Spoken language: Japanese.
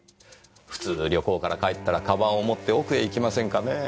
普通旅行から帰ったら鞄を持って奥へ行きませんかねぇ。